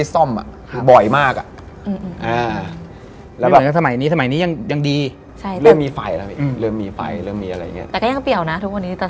สตแทต